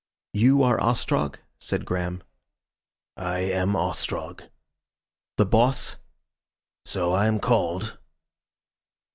"You are Ostrog?" said Graham. "I am Ostrog." "The Boss?" "So I am called."